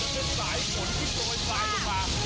มันไม่เป็นสายผลที่โดยคลายน้ำต่อ